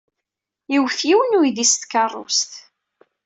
Iwet yiwen n uydi s tkeṛṛust.